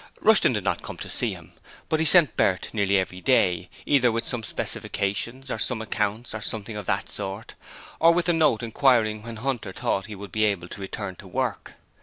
Rushton did not come to see him, but he sent Bert nearly every day, either with some specifications, or some accounts, or something of that sort, or with a note inquiring when Hunter thought he would be able to return to work.